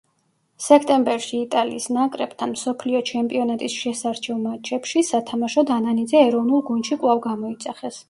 სექტემბერში, იტალიის ნაკრებთან, მსოფლიო ჩემპიონატის შესარჩევ მატჩებში სათამაშოდ ანანიძე ეროვნულ გუნდში კვლავ გამოიძახეს.